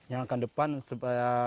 yang akan depan supaya